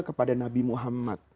kepada nabi muhammad